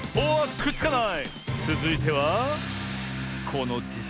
くっつかない！